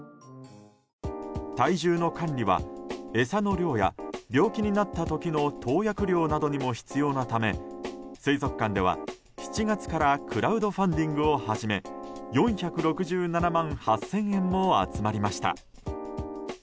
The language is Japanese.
体重の管理は餌の量や病気になった時の投薬量などにも必要なため水族館では７月からクラウドファンディングを始め４６７万８０００円も集まりました。